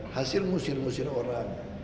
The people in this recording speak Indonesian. hasil musir musir orang